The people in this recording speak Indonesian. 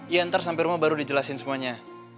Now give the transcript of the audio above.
iya ntar sampe rumah baru dijelasin semuanya